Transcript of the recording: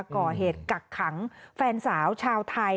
ก่อเหตุกักขังแฟนสาวชาวไทย